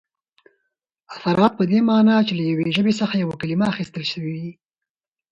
اثرات په دې مانا، چي له یوې ژبي څخه یوه کلیمه اخستل سوې يي.